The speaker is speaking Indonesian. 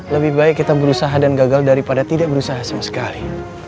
lebih baik kita berusaha dan gagal daripada tidak berusaha sama sekali